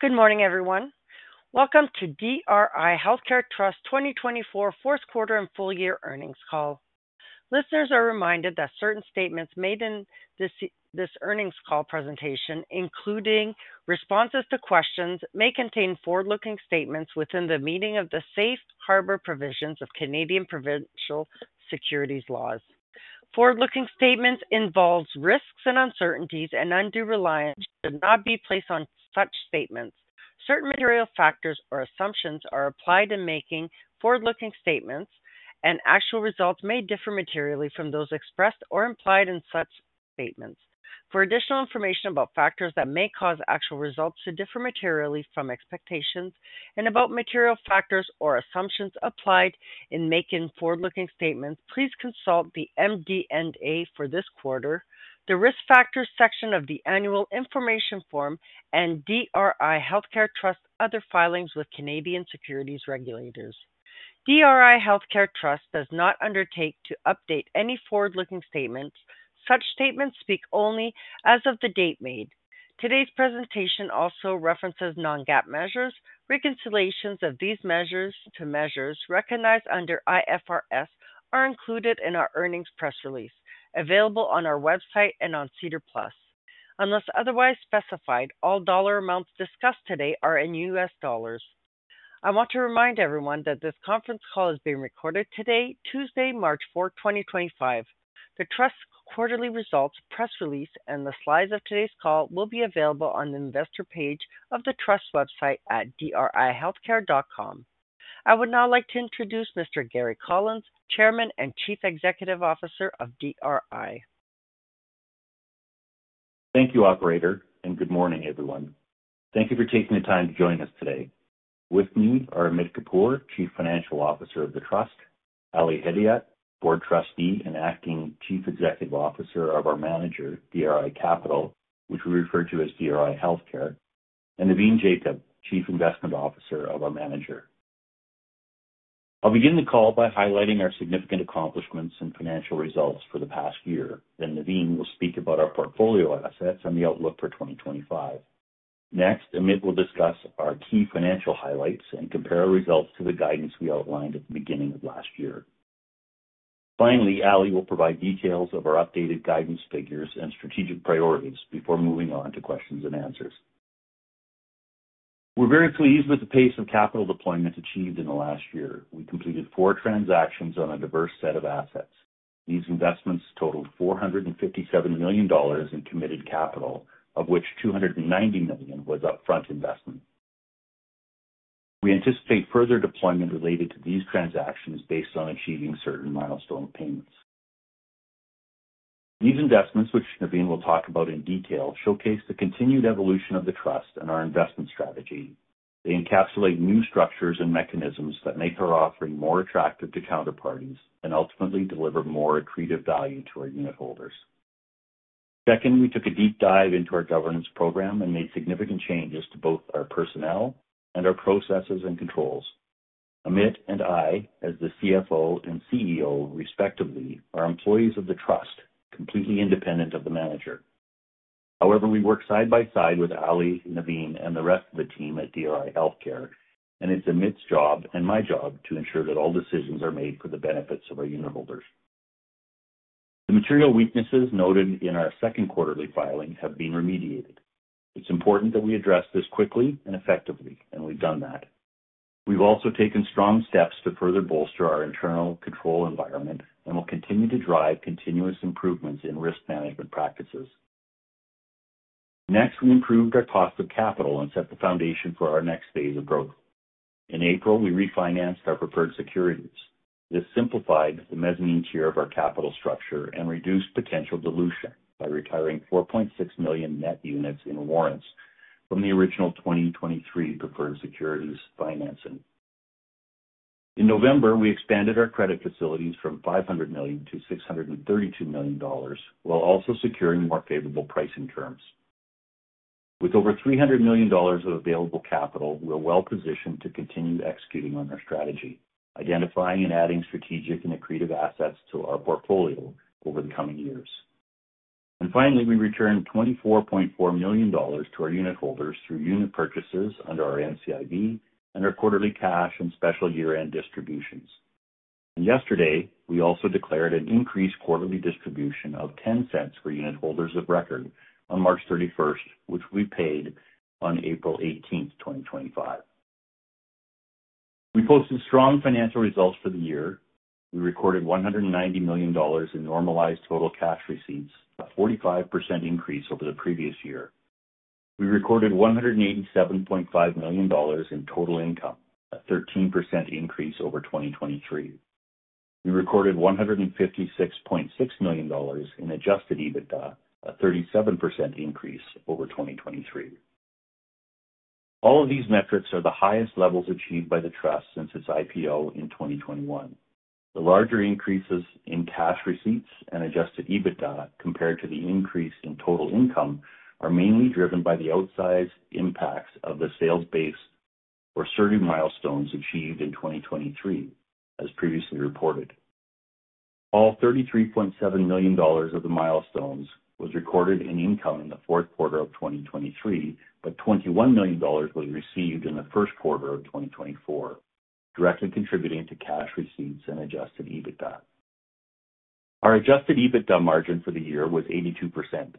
Good morning, everyone. Welcome to DRI Healthcare Trust 2024 Fourth Quarter and Full Year Earnings Call. Listeners are reminded that certain statements made in this earnings call presentation, including responses to questions, may contain forward-looking statements within the meaning of the safe harbor provisions of Canadian provincial securities laws. Forward-looking statements involve risks and uncertainties, and undue reliance should not be placed on such statements. Certain material factors or assumptions are applied to making forward-looking statements, and actual results may differ materially from those expressed or implied in such statements. For additional information about factors that may cause actual results to differ materially from expectations, and about material factors or assumptions applied in making forward-looking statements, please consult the MD&A for this quarter, the risk factors section of the annual information form, and DRI Healthcare Trust other filings with Canadian securities regulators. DRI Healthcare Trust does not undertake to update any forward-looking statements. Such statements speak only as of the date made. Today's presentation also references non-GAAP measures. Reconciliations of these measures to measures recognized under IFRS are included in our earnings press release, available on our website and on SEDAR. Unless otherwise specified, all dollar amounts discussed today are in US dollars. I want to remind everyone that this conference call is being recorded today, Tuesday, March 4, 2025. The Trust's quarterly results, press release, and the slides of today's call will be available on the investor page of the Trust website at drhealthcare.com. I would now like to introduce Mr. Gary Collins, Chairman and Chief Executive Officer of DRI. Thank you, Operator, and good morning, everyone. Thank you for taking the time to join us today. With me are Amit Kapur, Chief Financial Officer of the Trust; Ali Hedayat, Board Trustee and Acting Chief Executive Officer of our manager, DRI Capital, which we refer to as DRI Healthcare; and Navin Jacob, Chief Investment Officer of our manager. I'll begin the call by highlighting our significant accomplishments and financial results for the past year. Navin will speak about our portfolio assets and the outlook for 2025. Next, Amit will discuss our key financial highlights and compare results to the guidance we outlined at the beginning of last year. Finally, Ali will provide details of our updated guidance figures and strategic priorities before moving on to questions and answers. We're very pleased with the pace of capital deployment achieved in the last year. We completed four transactions on a diverse set of assets. These investments totaled $457 million in committed capital, of which $290 million was upfront investment. We anticipate further deployment related to these transactions based on achieving certain milestone payments. These investments, which Navin will talk about in detail, showcase the continued evolution of the Trust and our investment strategy. They encapsulate new structures and mechanisms that make our offering more attractive to counterparties and ultimately deliver more accretive value to our unit holders. Second, we took a deep dive into our governance program and made significant changes to both our personnel and our processes and controls. Amit and I, as the CFO and CEO respectively, are employees of the Trust, completely independent of the manager. However, we work side by side with Ali, Navin, and the rest of the team at DRI Healthcare, and it's Amit's job and my job to ensure that all decisions are made for the benefit of our unit holders. The material weaknesses noted in our second quarterly filing have been remediated. It's important that we address this quickly and effectively, and we've done that. We've also taken strong steps to further bolster our internal control environment and will continue to drive continuous improvements in risk management practices. Next, we improved our cost of capital and set the foundation for our next phase of growth. In April, we refinanced our preferred securities. This simplified the mezzanine tier of our capital structure and reduced potential dilution by retiring 4.6 million net units in warrants from the original 2023 preferred securities financing. In November, we expanded our credit facilities from $500 million to $632 million while also securing more favorable pricing terms. With over $300 million of available capital, we're well positioned to continue executing on our strategy, identifying and adding strategic and accretive assets to our portfolio over the coming years. Finally, we returned $24.4 million to our unit holders through unit purchases under our NCIB and our quarterly cash and special year-end distributions. Yesterday, we also declared an increased quarterly distribution of $0.10 for unit holders of record on March 31, which we paid on April 18, 2025. We posted strong financial results for the year. We recorded $190 million in normalized total cash receipts, a 45% increase over the previous year. We recorded $187.5 million in total income, a 13% increase over 2023. We recorded $156.6 million in adjusted EBITDA, a 37% increase over 2023. All of these metrics are the highest levels achieved by the Trust since its IPO in 2021. The larger increases in cash receipts and adjusted EBITDA compared to the increase in total income are mainly driven by the outsized impacts of the sales-based or surge milestones achieved in 2023, as previously reported. All $33.7 million of the milestones was recorded in income in the fourth quarter of 2023, but $21 million was received in the first quarter of 2024, directly contributing to cash receipts and adjusted EBITDA. Our adjusted EBITDA margin for the year was 82%.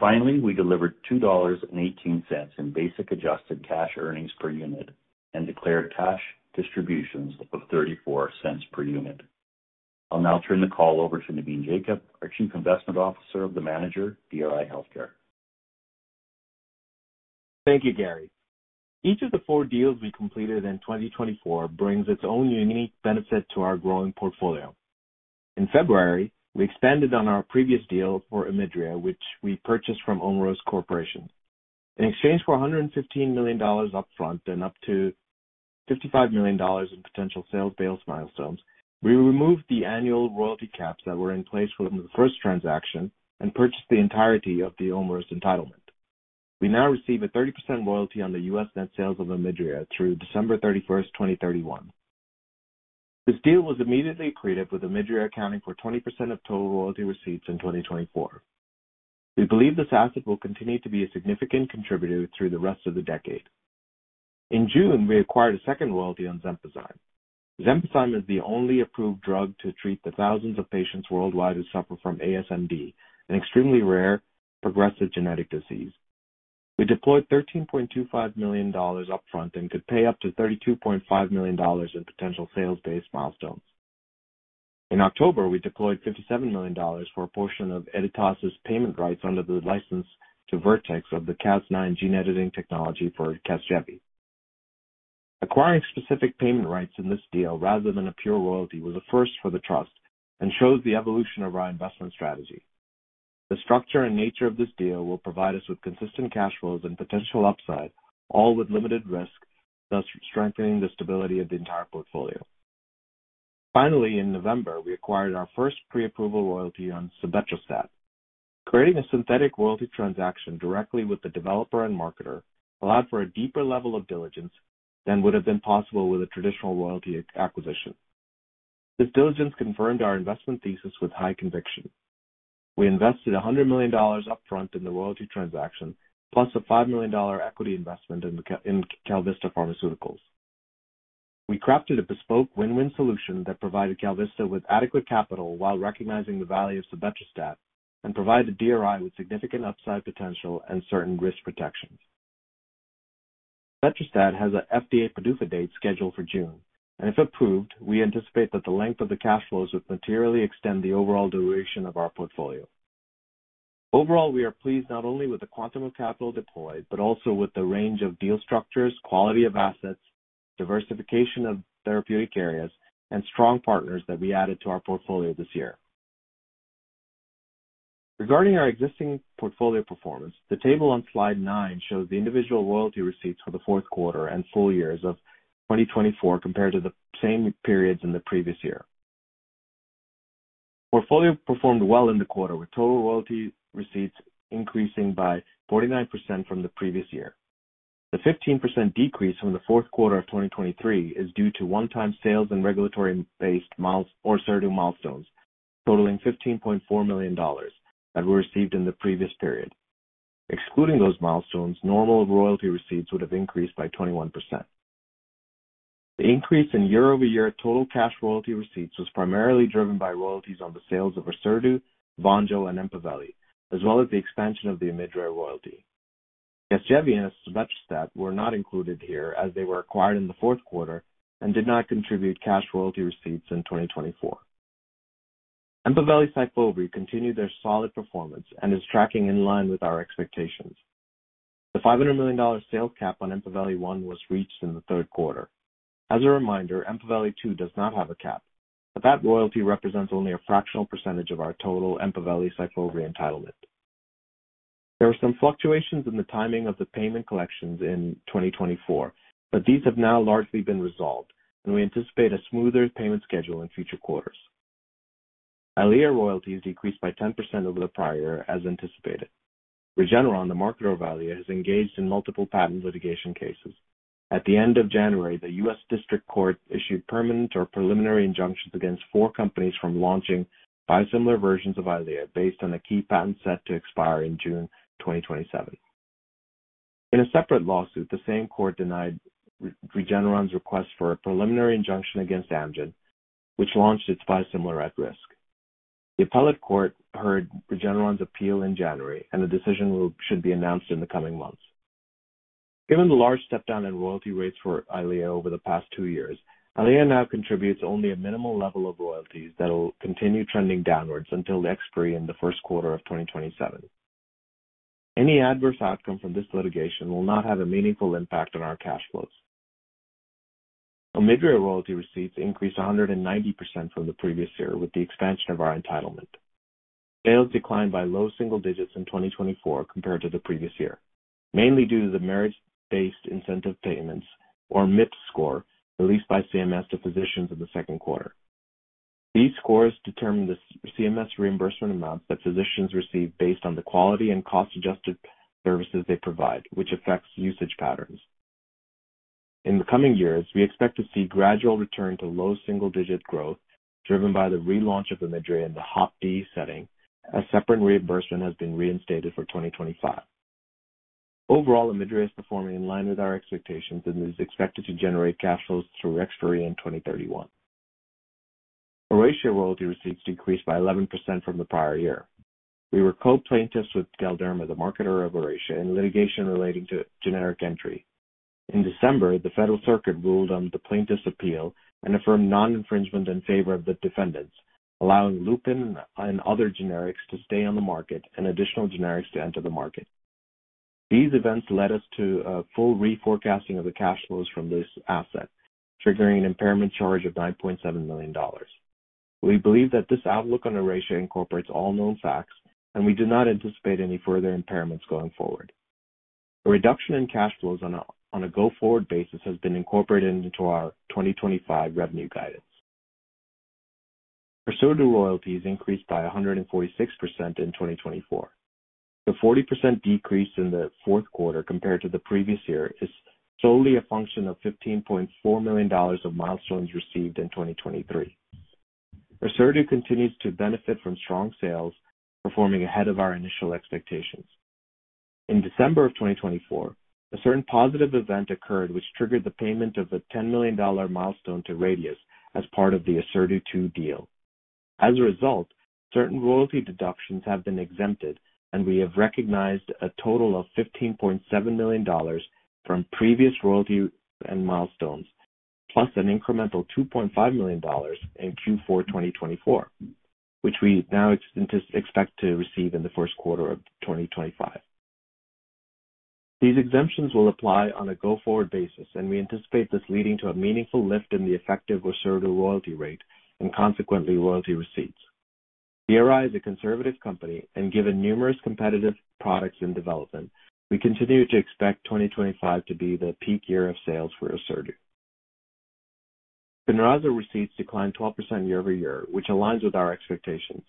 Finally, we delivered $2.18 in basic adjusted cash earnings per unit and declared cash distributions of $0.34 per unit. I'll now turn the call over to Navin Jacob, our Chief Investment Officer of the manager, DRI Healthcare. Thank you, Gary. Each of the four deals we completed in 2024 brings its own unique benefit to our growing portfolio. In February, we expanded on our previous deal for Omidria, which we purchased from Omeros Corporation. In exchange for $115 million upfront and up to $55 million in potential sales-based milestones, we removed the annual royalty caps that were in place from the first transaction and purchased the entirety of the Omeros entitlement. We now receive a 30% royalty on the U.S. net sales of Omidria through December 31, 2031. This deal was immediately accretive, with Omidria accounting for 20% of total royalty receipts in 2024. We believe this asset will continue to be a significant contributor through the rest of the decade. In June, we acquired a second royalty on Xenpozyme. Xenpozyme is the only approved drug to treat the thousands of patients worldwide who suffer from ASMD, an extremely rare progressive genetic disease. We deployed $13.25 million upfront and could pay up to $32.5 million in potential sales-based milestones. In October, we deployed $57 million for a portion of Editas's payment rights under the license to Vertex of the Cas9 gene editing technology for Casgevy. Acquiring specific payment rights in this deal rather than a pure royalty was a first for the Trust and shows the evolution of our investment strategy. The structure and nature of this deal will provide us with consistent cash flows and potential upside, all with limited risk, thus strengthening the stability of the entire portfolio. Finally, in November, we acquired our first pre-approval royalty on sebetralstat. Creating a synthetic royalty transaction directly with the developer and marketer allowed for a deeper level of diligence than would have been possible with a traditional royalty acquisition. This diligence confirmed our investment thesis with high conviction. We invested $100 million upfront in the royalty transaction, plus a $5 million equity investment in KalVista Pharmaceuticals. We crafted a bespoke win-win solution that provided KalVista with adequate capital while recognizing the value of sebetralstat and provided DRI with significant upside potential and certain risk protections. Sebetralstat has an FDA PDUFA date scheduled for June, and if approved, we anticipate that the length of the cash flows would materially extend the overall duration of our portfolio. Overall, we are pleased not only with the quantum of capital deployed but also with the range of deal structures, quality of assets, diversification of therapeutic areas, and strong partners that we added to our portfolio this year. Regarding our existing portfolio performance, the table on slide nine shows the individual royalty receipts for the fourth quarter and full years of 2024 compared to the same periods in the previous year. Portfolio performed well in the quarter, with total royalty receipts increasing by 49% from the previous year. The 15% decrease from the fourth quarter of 2023 is due to one-time sales and regulatory-based Orserdu milestones totaling $15.4 million that were received in the previous period. Excluding those milestones, normal royalty receipts would have increased by 21%. The increase in year-over-year total cash royalty receipts was primarily driven by royalties on the sales of Oserdu, Vonjo, and Empaveli, as well as the expansion of the Omidria royalty. Casgevy and sebetralstat were not included here as they were acquired in the fourth quarter and did not contribute cash royalty receipts in 2024. Empaveli Syfovre continued their solid performance and is tracking in line with our expectations. The $500 million sales cap on Empaveli 1 was reached in the third quarter. As a reminder, Empaveli 2 does not have a cap, but that royalty represents only a fractional percentage of our total Empaveli Syfovre entitlement. There were some fluctuations in the timing of the payment collections in 2024, but these have now largely been resolved, and we anticipate a smoother payment schedule in future quarters. Eylea royalties decreased by 10% over the prior, as anticipated. Regeneron, the marketer of Eylea, has engaged in multiple patent litigation cases. At the end of January, the U.S. District Court issued permanent or preliminary injunctions against four companies from launching biosimilar versions of Eylea based on a key patent set to expire in June 2027. In a separate lawsuit, the same court denied Regeneron's request for a preliminary injunction against Amgen, which launched its biosimilar at risk. The appellate court heard Regeneron's appeal in January, and the decision should be announced in the coming months. Given the large step-down in royalty rates for Eylea over the past two years, Eylea now contributes only a minimal level of royalties that will continue trending downwards until the expiry in the first quarter of 2027. Any adverse outcome from this litigation will not have a meaningful impact on our cash flows. Omidria royalty receipts increased 190% from the previous year with the expansion of our entitlement. Sales declined by low single digits in 2024 compared to the previous year, mainly due to the merit-based incentive payments, or MIPS score, released by CMS to physicians in the second quarter. These scores determine the CMS reimbursement amounts that physicians receive based on the quality and cost-adjusted services they provide, which affects usage patterns. In the coming years, we expect to see gradual return to low single-digit growth driven by the relaunch of Omidria in the HOPD setting, as separate reimbursement has been reinstated for 2025. Overall, Omidria is performing in line with our expectations and is expected to generate cash flows through expiry in 2031. Oracea royalty receipts decreased by 11% from the prior year. We were co-plaintiffs with Galderma, the marketer of Oracea, in litigation relating to generic entry. In December, the Federal Circuit ruled on the plaintiff's appeal and affirmed non-infringement in favor of the defendants, allowing Lupin and other generics to stay on the market and additional generics to enter the market. These events led us to a full reforecasting of the cash flows from this asset, triggering an impairment charge of $9.7 million. We believe that this outlook on Oracea incorporates all known facts, and we do not anticipate any further impairments going forward. A reduction in cash flows on a go-forward basis has been incorporated into our 2025 revenue guidance. Orserdu royalty has increased by 146% in 2024. The 40% decrease in the fourth quarter compared to the previous year is solely a function of $15.4 million of milestones received in 2023. Orserdu continues to benefit from strong sales, performing ahead of our initial expectations. In December of 2024, a certain positive event occurred, which triggered the payment of a $10 million milestone to Radius as part of the Orserdu 2 deal. As a result, certain royalty deductions have been exempted, and we have recognized a total of $15.7 million from previous royalty and milestones, plus an incremental $2.5 million in Q4 2024, which we now expect to receive in the first quarter of 2025. These exemptions will apply on a go-forward basis, and we anticipate this leading to a meaningful lift in the effective Orserdu royalty rate and consequently royalty receipts. DRI is a conservative company, and given numerous competitive products in development, we continue to expect 2025 to be the peak year of sales for Orserdu. Spinraza receipts declined 12% year-over-year, which aligns with our expectations.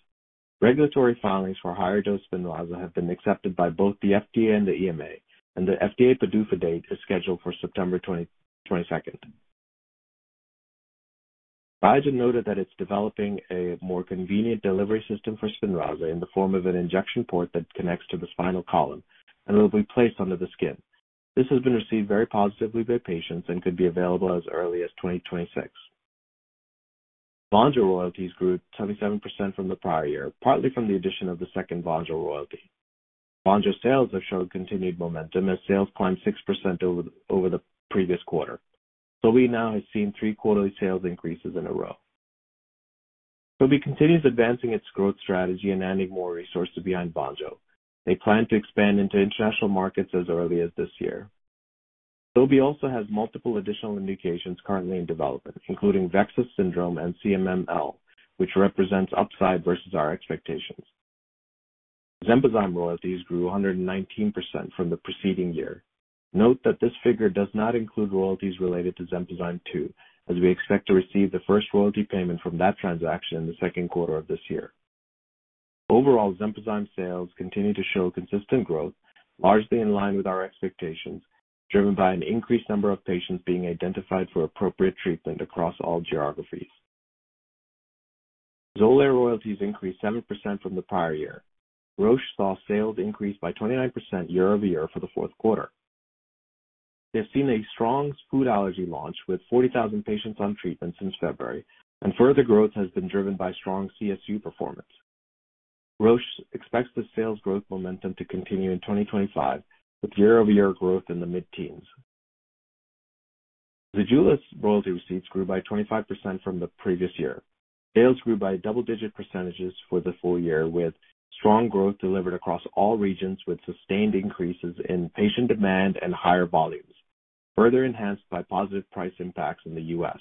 Regulatory filings for higher-dose Spinraza have been accepted by both the FDA and the EMA, and the FDA PDUFA date is scheduled for September 22. Biogen noted that it's developing a more convenient delivery system for Spinraza in the form of an injection port that connects to the spinal column and will be placed under the skin. This has been received very positively by patients and could be available as early as 2026. Vonjo royalties grew 77% from the prior year, partly from the addition of the second Vonjo royalty. Vonjo sales have showed continued momentum, as sales climbed 6% over the previous quarter. Sobi now has seen three quarterly sales increases in a row. Sobi continues advancing its growth strategy and adding more resources behind Vonjo. They plan to expand into international markets as early as this year. Sobi also has multiple additional indications currently in development, including VEXAS syndrome and CMML, which represents upside versus our expectations. Xenpozyme royalties grew 119% from the preceding year. Note that this figure does not include royalties related to Xenpozyme II, as we expect to receive the first royalty payment from that transaction in the second quarter of this year. Overall, Xenpozyme sales continue to show consistent growth, largely in line with our expectations, driven by an increased number of patients being identified for appropriate treatment across all geographies. Xolair royalties increased 7% from the prior year. Roche saw sales increase by 29% year-over-year for the fourth quarter. They have seen a strong food allergy launch with 40,000 patients on treatment since February, and further growth has been driven by strong CSU performance. Roche expects the sales growth momentum to continue in 2025, with year-over-year growth in the mid-teens. Zejula's royalty receipts grew by 25% from the previous year. Sales grew by double-digit percentages for the full year, with strong growth delivered across all regions with sustained increases in patient demand and higher volumes, further enhanced by positive price impacts in the U.S.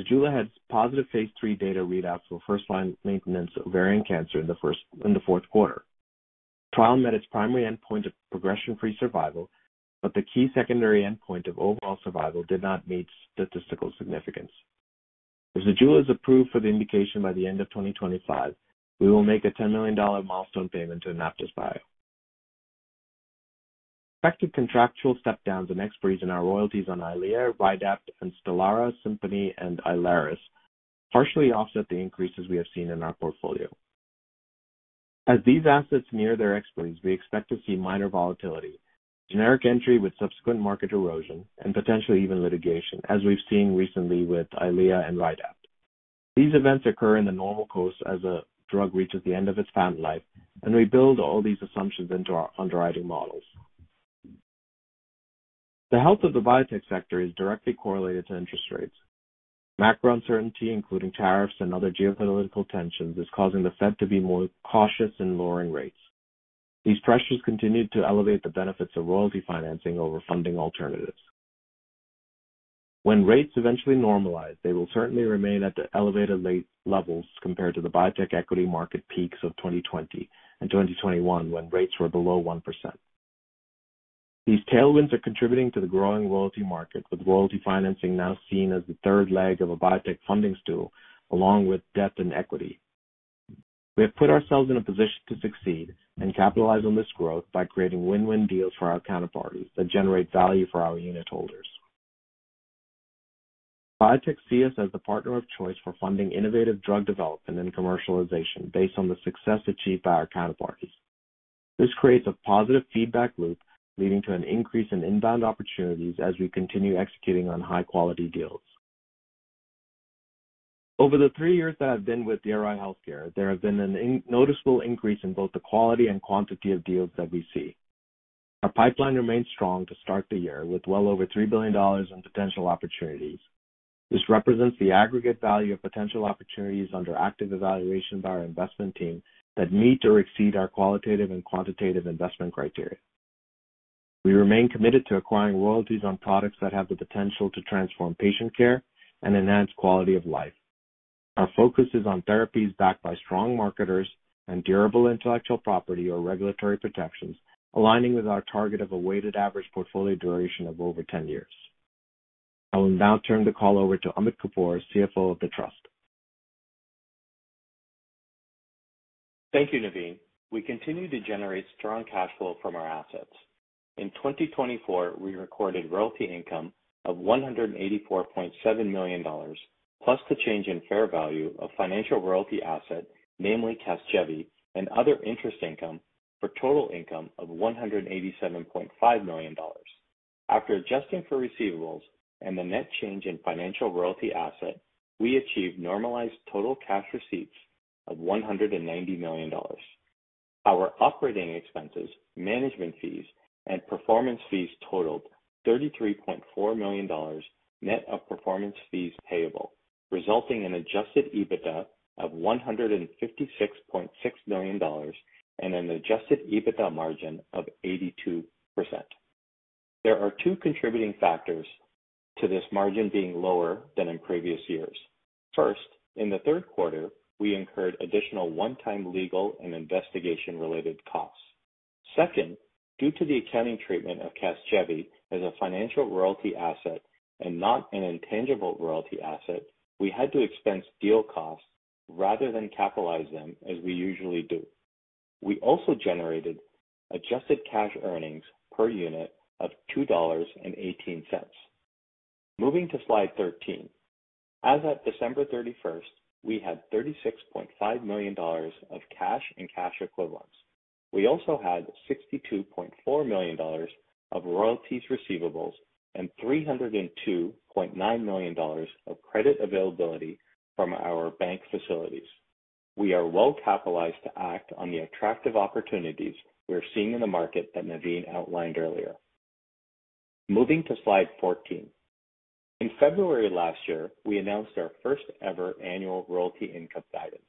Zejula had positive phase III data readouts for first-line maintenance ovarian cancer in the fourth quarter. The trial met its primary endpoint of progression-free survival, but the key secondary endpoint of overall survival did not meet statistical significance. If Zejula is approved for the indication by the end of 2025, we will make a $10 million milestone payment to AnaptysBio. Expected contractual step-downs and expiries in our royalties on Eylea, Rydapt, Stelara, Simponi, and Ilaris partially offset the increases we have seen in our portfolio. As these assets near their expiries, we expect to see minor volatility, generic entry with subsequent market erosion, and potentially even litigation, as we've seen recently with Eylea and Rydapt. These events occur in the normal course as a drug reaches the end of its patent life, and we build all these assumptions into our underwriting models. The health of the biotech sector is directly correlated to interest rates. Macro uncertainty, including tariffs and other geopolitical tensions, is causing the Fed to be more cautious in lowering rates. These pressures continue to elevate the benefits of royalty financing over funding alternatives. When rates eventually normalize, they will certainly remain at the elevated levels compared to the biotech equity market peaks of 2020 and 2021 when rates were below 1%. These tailwinds are contributing to the growing royalty market, with royalty financing now seen as the third leg of a biotech funding stool, along with debt and equity. We have put ourselves in a position to succeed and capitalize on this growth by creating win-win deals for our counterparties that generate value for our unit holders. Biotech see us as the partner of choice for funding innovative drug development and commercialization based on the success achieved by our counterparties. This creates a positive feedback loop leading to an increase in inbound opportunities as we continue executing on high-quality deals. Over the three years that I've been with DRI Healthcare, there has been a noticeable increase in both the quality and quantity of deals that we see. Our pipeline remains strong to start the year with well over $3 billion in potential opportunities. This represents the aggregate value of potential opportunities under active evaluation by our investment team that meet or exceed our qualitative and quantitative investment criteria. We remain committed to acquiring royalties on products that have the potential to transform patient care and enhance quality of life. Our focus is on therapies backed by strong marketers and durable intellectual property or regulatory protections, aligning with our target of a weighted average portfolio duration of over 10 years. I will now turn the call over to Amit Kapur, CFO of the Trust. Thank you, Navin. We continue to generate strong cash flow from our assets. In 2024, we recorded royalty income of $184.7 million, plus the change in fair value of financial royalty asset, namely Casgevy, and other interest income for total income of $187.5 million. After adjusting for receivables and the net change in financial royalty asset, we achieved normalized total cash receipts of $190 million. Our operating expenses, management fees, and performance fees totaled $33.4 million net of performance fees payable, resulting in an adjusted EBITDA of $156.6 million and an adjusted EBITDA margin of 82%. There are two contributing factors to this margin being lower than in previous years. First, in the third quarter, we incurred additional one-time legal and investigation-related costs. Second, due to the accounting treatment of Casgevy as a financial royalty asset and not an intangible royalty asset, we had to expense deal costs rather than capitalize them, as we usually do. We also generated adjusted cash earnings per unit of $2.18. Moving to slide 13. As of December 31, we had $36.5 million of cash and cash equivalents. We also had $62.4 million of royalties receivables and $302.9 million of credit availability from our bank facilities. We are well capitalized to act on the attractive opportunities we're seeing in the market that Navin outlined earlier. Moving to slide 14. In February last year, we announced our first-ever annual royalty income guidance.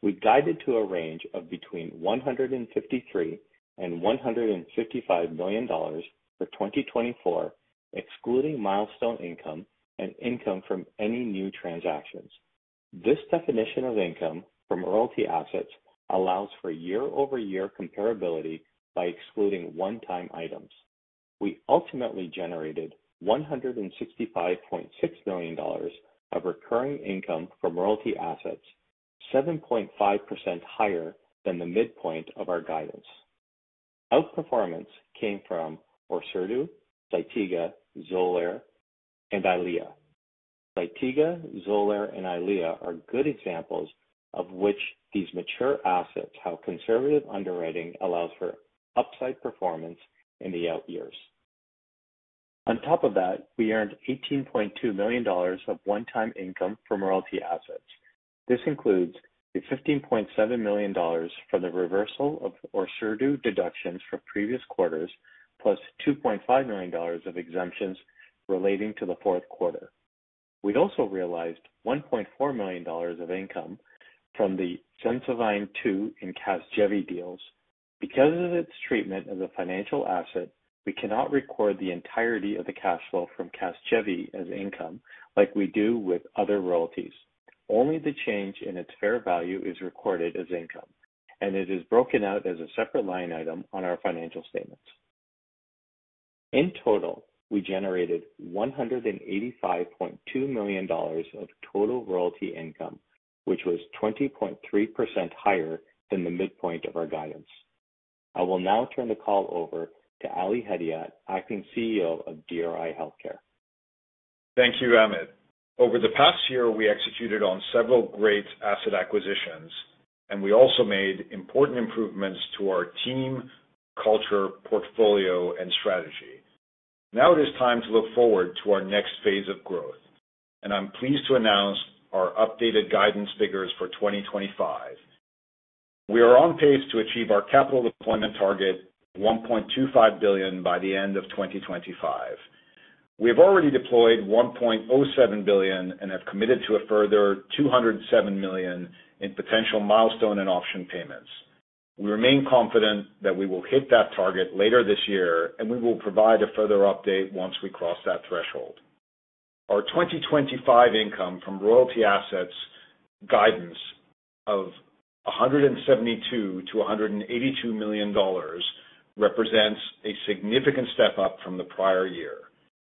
We guided to a range of between $153-$155 million for 2024, excluding milestone income and income from any new transactions. This definition of income from royalty assets allows for year-over-year comparability by excluding one-time items. We ultimately generated $165.6 million of recurring income from royalty assets, 7.5% higher than the midpoint of our guidance. Outperformance came from Orserdu, Zytiga, Xolair, and Eylea. Zytiga, Xolair, and Eylea are good examples of which these mature assets have conservative underwriting that allows for upside performance in the out years. On top of that, we earned $18.2 million of one-time income from royalty assets. This includes the $15.7 million from the reversal of Orserdu deductions from previous quarters, plus $2.5 million of exemptions relating to the fourth quarter. We also realized $1.4 million of income from the Xenpozyme II and Casgevy deals. Because of its treatment as a financial asset, we cannot record the entirety of the cash flow from Casgevy as income like we do with other royalties. Only the change in its fair value is recorded as income, and it is broken out as a separate line item on our financial statements. In total, we generated $185.2 million of total royalty income, which was 20.3% higher than the midpoint of our guidance. I will now turn the call over to Ali Hedayat, Acting CEO of DRI Healthcare. Thank you, Amit. Over the past year, we executed on several great asset acquisitions, and we also made important improvements to our team, culture, portfolio, and strategy. Now it is time to look forward to our next phase of growth, and I'm pleased to announce our updated guidance figures for 2025. We are on pace to achieve our capital deployment target, $1.25 billion, by the end of 2025. We have already deployed $1.07 billion and have committed to a further $207 million in potential milestone and auction payments. We remain confident that we will hit that target later this year, and we will provide a further update once we cross that threshold. Our 2025 income from royalty assets guidance of $172-$182 million represents a significant step up from the prior year.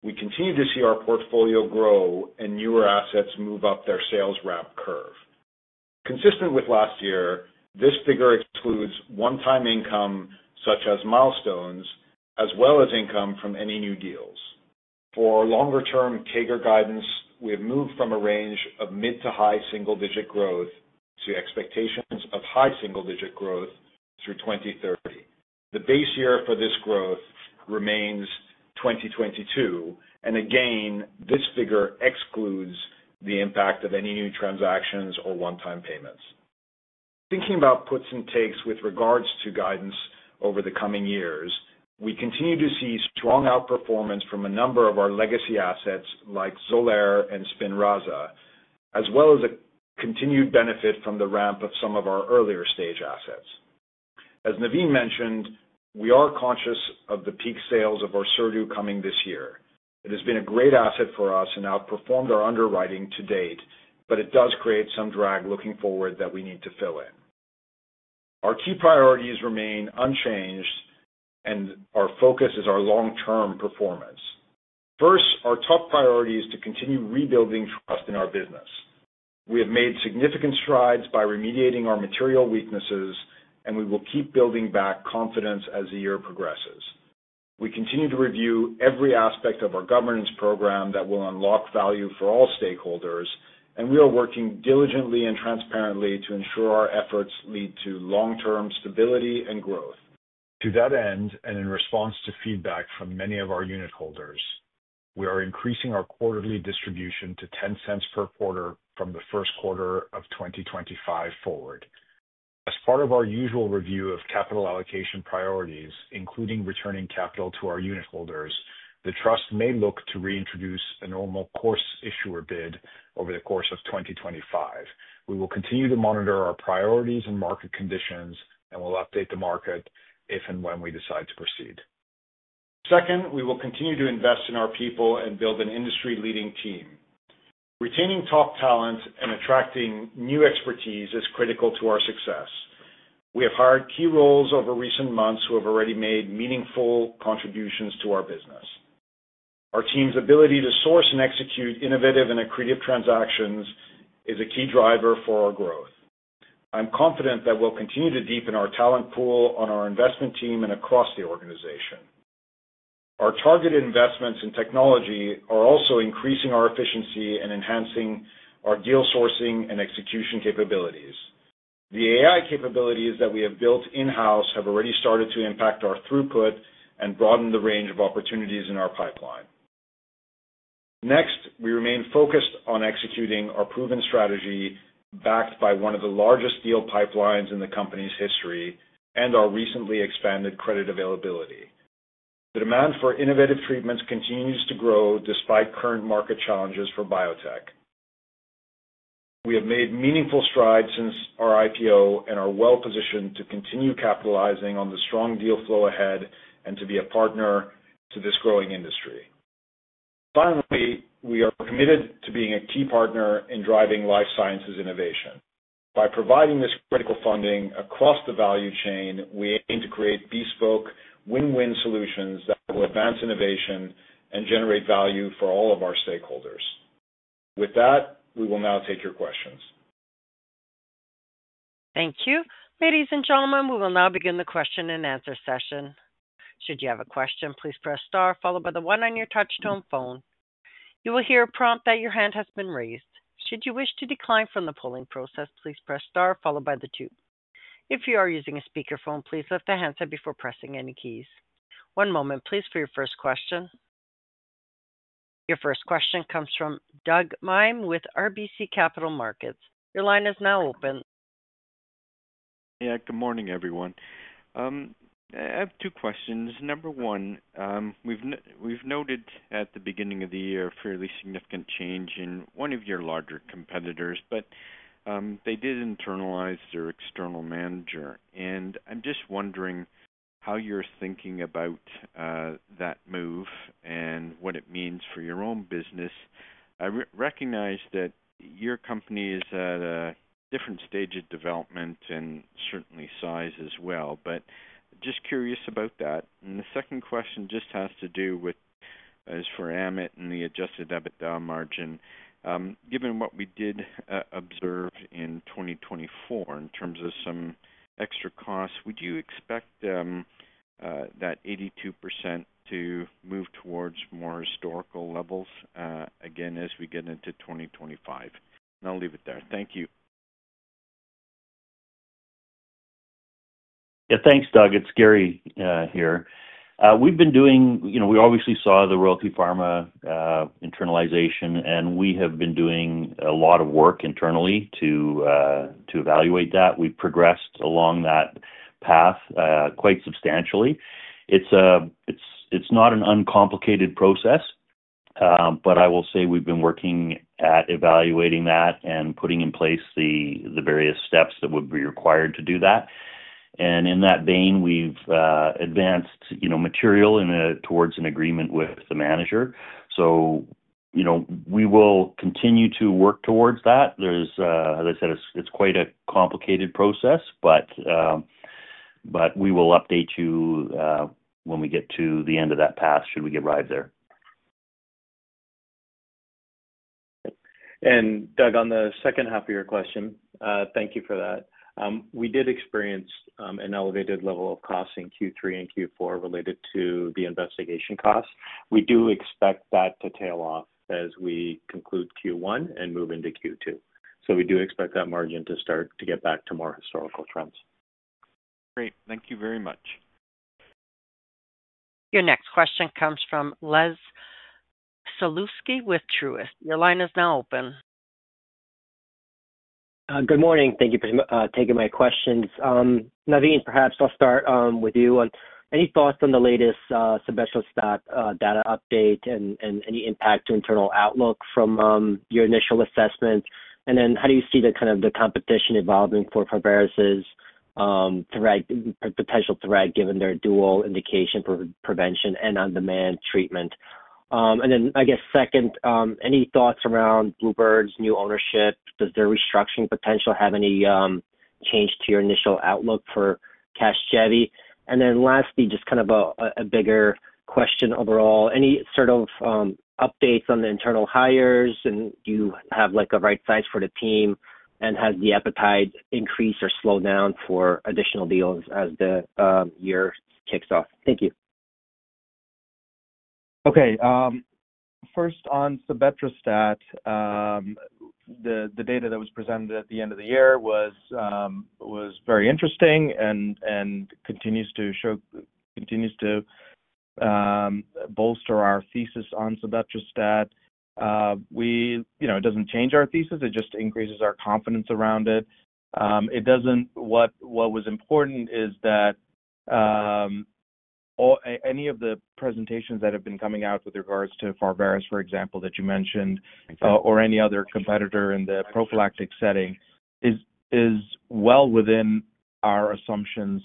We continue to see our portfolio grow and newer assets move up their sales ramp curve. Consistent with last year, this figure excludes one-time income such as milestones, as well as income from any new deals. For our longer-term CAGR guidance, we have moved from a range of mid to high single-digit growth to expectations of high single-digit growth through 2030. The base year for this growth remains 2022, and again, this figure excludes the impact of any new transactions or one-time payments. Thinking about puts and takes with regards to guidance over the coming years, we continue to see strong outperformance from a number of our legacy assets like Xolair and Spinraza, as well as a continued benefit from the ramp of some of our earlier-stage assets. As Navin mentioned, we are conscious of the peak sales of Orserdu coming this year. It has been a great asset for us and outperformed our underwriting to date, but it does create some drag looking forward that we need to fill in. Our key priorities remain unchanged, and our focus is our long-term performance. First, our top priority is to continue rebuilding trust in our business. We have made significant strides by remediating our material weaknesses, and we will keep building back confidence as the year progresses. We continue to review every aspect of our governance program that will unlock value for all stakeholders, and we are working diligently and transparently to ensure our efforts lead to long-term stability and growth. To that end, and in response to feedback from many of our unit holders, we are increasing our quarterly distribution to $0.10 per quarter from the first quarter of 2025 forward. As part of our usual review of capital allocation priorities, including returning capital to our unit holders, the Trust may look to reintroduce a normal course issuer bid over the course of 2025. We will continue to monitor our priorities and market conditions, and we'll update the market if and when we decide to proceed. Second, we will continue to invest in our people and build an industry-leading team. Retaining top talent and attracting new expertise is critical to our success. We have hired key roles over recent months who have already made meaningful contributions to our business. Our team's ability to source and execute innovative and accretive transactions is a key driver for our growth. I'm confident that we'll continue to deepen our talent pool on our investment team and across the organization. Our targeted investments in technology are also increasing our efficiency and enhancing our deal sourcing and execution capabilities. The AI capabilities that we have built in-house have already started to impact our throughput and broaden the range of opportunities in our pipeline. Next, we remain focused on executing our proven strategy backed by one of the largest deal pipelines in the company's history and our recently expanded credit availability. The demand for innovative treatments continues to grow despite current market challenges for biotech. We have made meaningful strides since our IPO and are well-positioned to continue capitalizing on the strong deal flow ahead and to be a partner to this growing industry. Finally, we are committed to being a key partner in driving life sciences innovation. By providing this critical funding across the value chain, we aim to create bespoke, win-win solutions that will advance innovation and generate value for all of our stakeholders. With that, we will now take your questions. Thank you. Ladies and gentlemen, we will now begin the question and answer session. Should you have a question, please press star followed by the one on your touch-tone phone. You will hear a prompt that your hand has been raised. Should you wish to decline from the polling process, please press star followed by the two. If you are using a speakerphone, please lift the hands before pressing any keys. One moment, please, for your first question. Your first question comes from Doug Miehm with RBC Capital Markets. Your line is now open. Yeah, good morning, everyone. I have two questions. Number one, we've noted at the beginning of the year a fairly significant change in one of your larger competitors, but they did internalize their external manager. I'm just wondering how you're thinking about that move and what it means for your own business. I recognize that your company is at a different stage of development and certainly size as well, but just curious about that. The second question just has to do with, as for Amit and the adjusted EBITDA margin, given what we did observe in 2024 in terms of some extra costs, would you expect that 82% to move towards more historical levels again as we get into 2025? I'll leave it there. Thank you. Yeah, thanks, Doug. It's Gary here. We've been doing, we obviously saw the Royalty Pharma internalization, and we have been doing a lot of work internally to evaluate that. We've progressed along that path quite substantially. It's not an uncomplicated process, but I will say we've been working at evaluating that and putting in place the various steps that would be required to do that. In that vein, we've advanced material towards an agreement with the manager. We will continue to work towards that. As I said, it's quite a complicated process, but we will update you when we get to the end of that path should we get right there. Doug, on the second half of your question, thank you for that. We did experience an elevated level of costs in Q3 and Q4 related to the investigation costs. We do expect that to tail off as we conclude Q1 and move into Q2. We do expect that margin to start to get back to more historical trends. Great. Thank you very much. Your next question comes from Les Sulewski with Truist. Your line is now open. Good morning. Thank you for taking my questions. Navin, perhaps I'll start with you on any thoughts on the latest sebetralstat data update and any impact to internal outlook from your initial assessment. How do you see the kind of the competition evolving for Provera's potential threat given their dual indication for prevention and on-demand treatment? I guess second, any thoughts around Bluebird's new ownership? Does their restructuring potential have any change to your initial outlook for Casgevy? Lastly, just kind of a bigger question overall, any sort of updates on the internal hires? Do you have a right size for the team? Has the appetite increased or slowed down for additional deals as the year kicks off? Thank you. Okay. First, on sebetralstat, the data that was presented at the end of the year was very interesting and continues to bolster our thesis on sebetralstat. It doesn't change our thesis. It just increases our confidence around it. What was important is that any of the presentations that have been coming out with regards to Provera, for example, that you mentioned, or any other competitor in the prophylactic setting, is well within our assumptions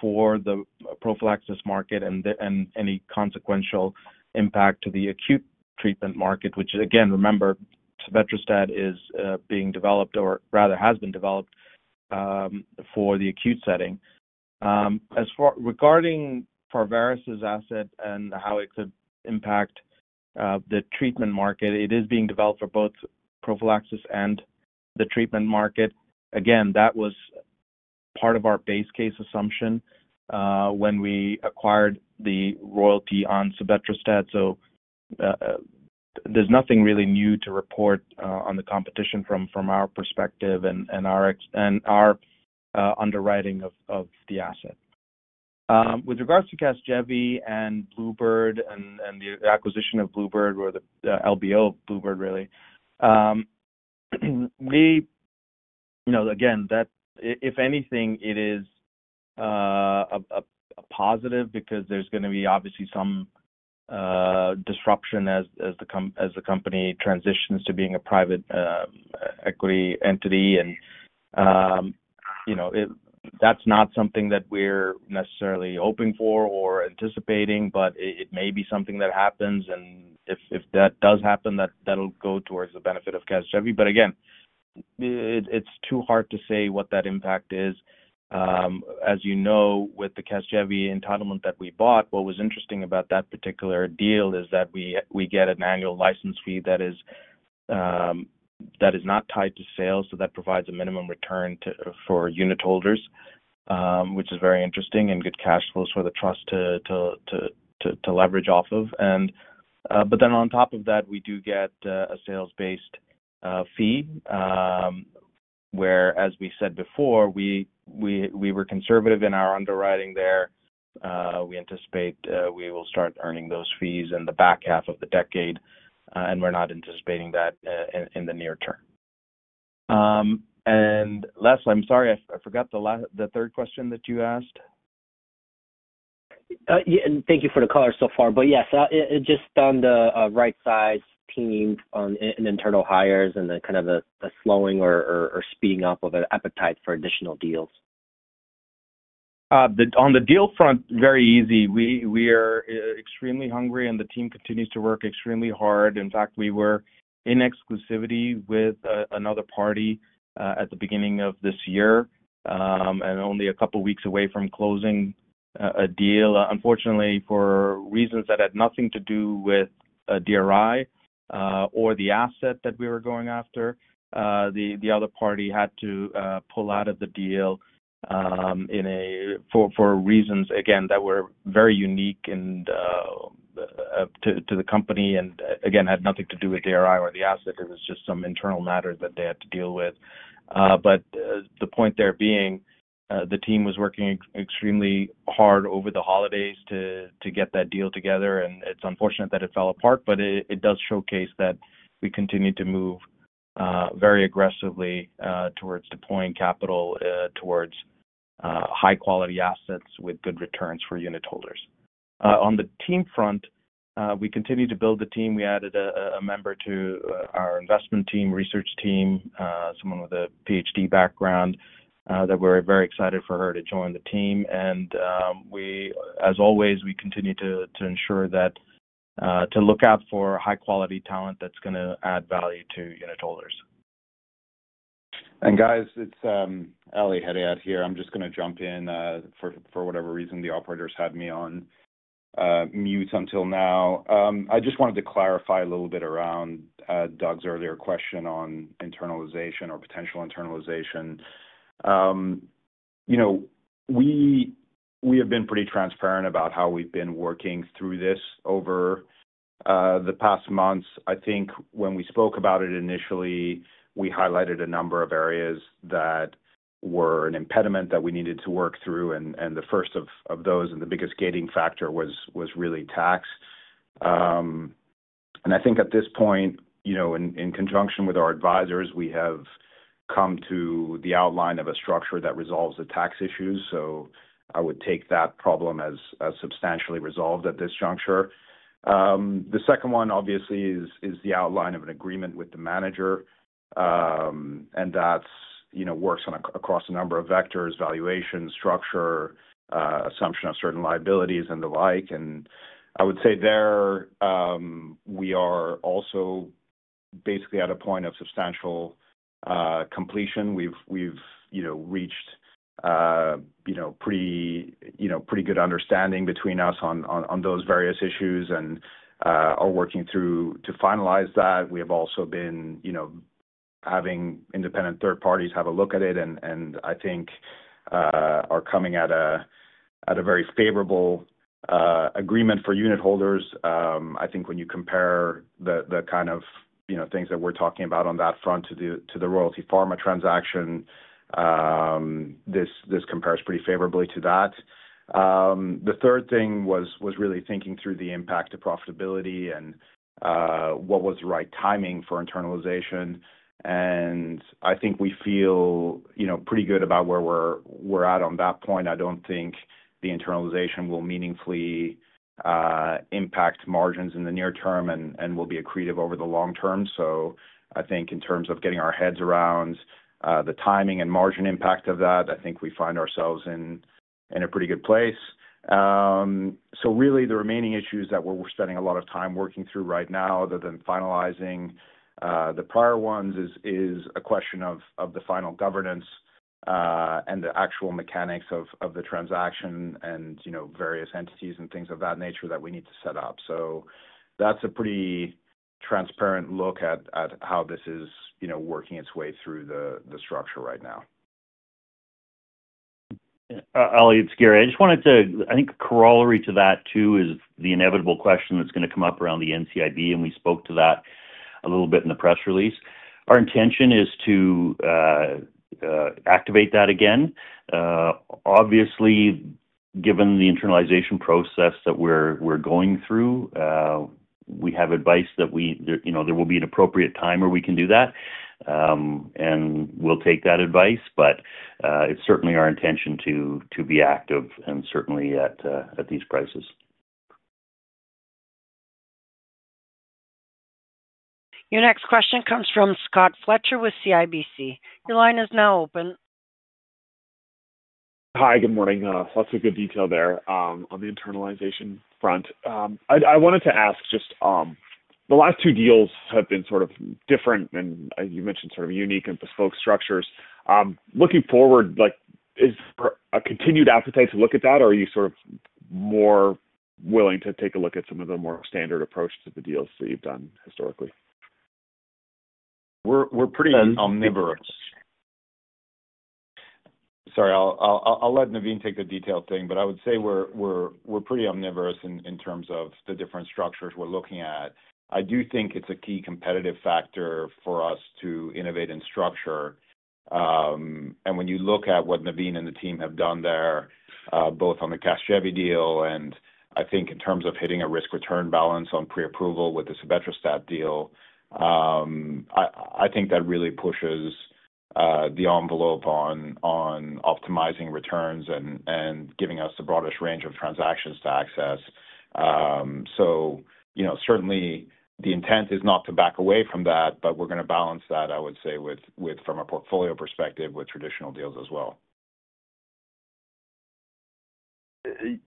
for the prophylaxis market and any consequential impact to the acute treatment market, which, again, remember, Sebetralstat is being developed, or rather has been developed for the acute setting. Regarding Provera's asset and how it could impact the treatment market, it is being developed for both prophylaxis and the treatment market. Again, that was part of our base case assumption when we acquired the royalty on sebetralstat. There is nothing really new to report on the competition from our perspective and our underwriting of the asset. With regards to Casgevy and Bluebird and the acquisition of Bluebird or the LBO of Bluebird, really, again, if anything, it is a positive because there is going to be obviously some disruption as the company transitions to being a private equity entity. That is not something that we are necessarily hoping for or anticipating, but it may be something that happens. If that does happen, that will go towards the benefit of Casgevy. Again, it is too hard to say what that impact is. As you know, with the Casgevy entitlement that we bought, what was interesting about that particular deal is that we get an annual license fee that is not tied to sales. That provides a minimum return for unit holders, which is very interesting and good cash flows for the Trust to leverage off of. Then on top of that, we do get a sales-based fee where, as we said before, we were conservative in our underwriting there. We anticipate we will start earning those fees in the back half of the decade, and we're not anticipating that in the near term. Lastly, I'm sorry, I forgot the third question that you asked. Thank you for the color so far. Yes, just on the right-size team on internal hires and then kind of the slowing or speeding up of an appetite for additional deals. On the deal front, very easy. We are extremely hungry, and the team continues to work extremely hard. In fact, we were in exclusivity with another party at the beginning of this year and only a couple of weeks away from closing a deal. Unfortunately, for reasons that had nothing to do with DRI or the asset that we were going after, the other party had to pull out of the deal for reasons, again, that were very unique to the company and, again, had nothing to do with DRI or the asset. It was just some internal matter that they had to deal with. The point there being, the team was working extremely hard over the holidays to get that deal together. It's unfortunate that it fell apart, but it does showcase that we continue to move very aggressively towards deploying capital towards high-quality assets with good returns for unit holders. On the team front, we continue to build the team. We added a member to our investment team research team, someone with a PhD background that we're very excited for her to join the team. As always, we continue to ensure to look out for high-quality talent that's going to add value to unit holders. Guys, it's Ali Hedayat here. I'm just going to jump in. For whatever reason, the operators had me on mute until now. I just wanted to clarify a little bit around Doug's earlier question on internalization or potential internalization. We have been pretty transparent about how we've been working through this over the past months. I think when we spoke about it initially, we highlighted a number of areas that were an impediment that we needed to work through. The first of those and the biggest gating factor was really tax. I think at this point, in conjunction with our advisors, we have come to the outline of a structure that resolves the tax issues. I would take that problem as substantially resolved at this juncture. The second one, obviously, is the outline of an agreement with the manager, and that works across a number of vectors: valuation, structure, assumption of certain liabilities, and the like. I would say there we are also basically at a point of substantial completion. We've reached pretty good understanding between us on those various issues and are working through to finalize that. We have also been having independent third parties have a look at it and, I think, are coming at a very favorable agreement for unit holders. I think when you compare the kind of things that we're talking about on that front to the Royalty Pharma transaction, this compares pretty favorably to that. The third thing was really thinking through the impact to profitability and what was the right timing for internalization. I think we feel pretty good about where we're at on that point. I don't think the internalization will meaningfully impact margins in the near term and will be accretive over the long term. I think in terms of getting our heads around the timing and margin impact of that, I think we find ourselves in a pretty good place. Really, the remaining issues that we're spending a lot of time working through right now, other than finalizing the prior ones, is a question of the final governance and the actual mechanics of the transaction and various entities and things of that nature that we need to set up. That's a pretty transparent look at how this is working its way through the structure right now. Ali, it's Gary. I just wanted to, I think, corollary to that too is the inevitable question that's going to come up around the NCIB, and we spoke to that a little bit in the press release. Our intention is to activate that again. Obviously, given the internalization process that we're going through, we have advice that there will be an appropriate time where we can do that, and we'll take that advice. It is certainly our intention to be active and certainly at these prices. Your next question comes from Scott Fletcher with CIBC. Your line is now open. Hi, good morning. Lots of good detail there on the internalization front. I wanted to ask just the last two deals have been sort of different and, as you mentioned, sort of unique and bespoke structures. Looking forward, is there a continued appetite to look at that, or are you sort of more willing to take a look at some of the more standard approach to the deals that you have done historically? We are pretty omnivorous. Sorry, I will let Navin take the detailed thing, but I would say we are pretty omnivorous in terms of the different structures we are looking at. I do think it is a key competitive factor for us to innovate in structure. When you look at what Navin and the team have done there, both on the Casgevy deal and, I think, in terms of hitting a risk-return balance on pre-approval with the sebetralstat deal, I think that really pushes the envelope on optimizing returns and giving us the broadest range of transactions to access. Certainly, the intent is not to back away from that, but we're going to balance that, I would say, from a portfolio perspective with traditional deals as well.